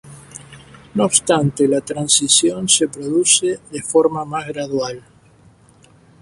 No obstante, la transición se produce de forma más gradual.